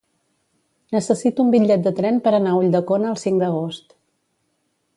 Necessito un bitllet de tren per anar a Ulldecona el cinc d'agost.